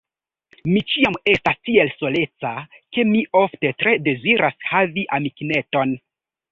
Mi ĉiam estas tiel soleca, ke mi ofte tre deziras havi amikineton.